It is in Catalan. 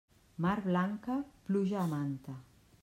Mar blanca, pluja a manta.